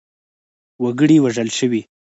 وګړي وژل شوي.